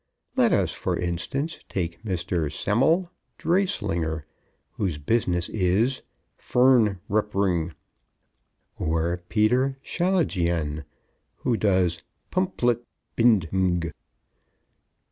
Let us, for instance, take Mr. Saml Dreyslinger, whose business is "Furn Reprg," or Peter Shalijian, who does "pmphlt bindg."